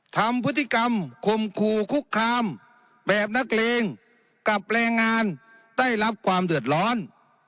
ทำพฤติกรรมคมคู่คุกคามแบบนักเลงกับแรงงานได้รับความเดือดร้อน